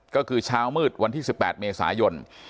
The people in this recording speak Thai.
ก็คือเช้ามืดวันที่๑๘เมษายน